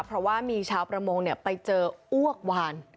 เพราะว่ามีชาวประมงไปเจออ้วกวาน